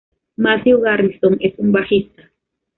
Matthew Garrison es un bajista.